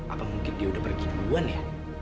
apa mungkin dia udah pergi duluan ya